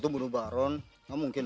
aku pengenforward si instagram gue